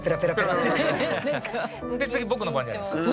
で次僕の番じゃないですか。